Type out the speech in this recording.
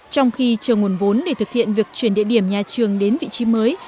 trong khi chờ nguồn vốn để thực hiện việc chuyển địa điểm nhà trường đến vị trí mới